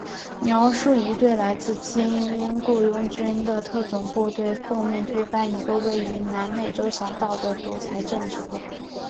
描述一队来自精英雇佣军的特种部队奉命推翻一个位于南美洲小岛的独裁政府。